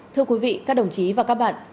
thưa quý vị các đồng chí và các bạn